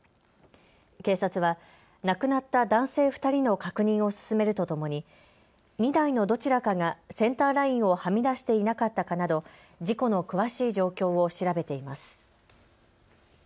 警察は亡くなった男性２人の確認を進めるとともに２台のどちらかがセンターラインをはみ出していなかったかなど事故の詳しい状況を調べています。